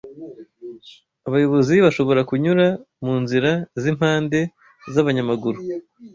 abayobozi bashobora kunyura mu nzira z'impande z'abanyamaguru